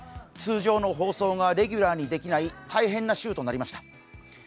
通常の放送がレギュラーにできない大変な週となりました。